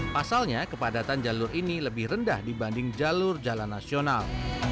pasalnya kepadatan jalur ini lebih rendah dibanding jalur jalan nasional